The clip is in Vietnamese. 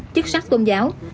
chức sắc tôn giáo